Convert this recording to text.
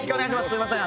すみません。